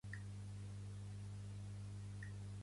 I el que ve de Cànoves, que no sé quin número és